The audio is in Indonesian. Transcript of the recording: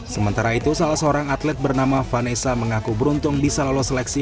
sementara itu salah seorang atlet bernama vanessa mengaku beruntung bisa lolos seleksi